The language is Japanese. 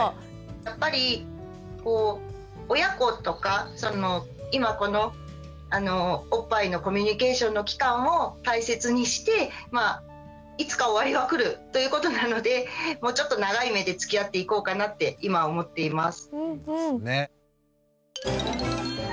やっぱり親子とか今このおっぱいのコミュニケーションの期間を大切にしていつか終わりは来るということなのでもうちょっと長い目でつきあっていこうかなって今思っています。